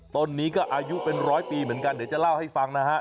ต้นนี้ก็อายุเป็นร้อยปีเหมือนกันเดี๋ยวจะเล่าให้ฟังนะฮะ